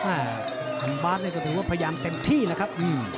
อ่าอัมบาสนี่ก็ถือว่าพยายามเต็มที่นะครับ